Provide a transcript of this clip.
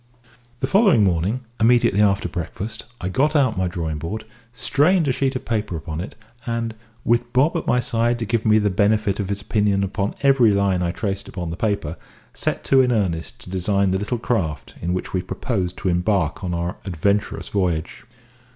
The following morning, immediately after breakfast, I got out my drawing board, strained a sheet of paper upon it, and, with Bob at my side to give me the benefit of his opinion upon every line I traced upon the paper, set to in earnest to design the little craft in which we proposed to embark on our adventurous voyage.